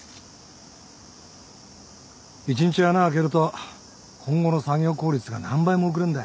１日穴あけると今後の作業効率が何倍も遅れんだ。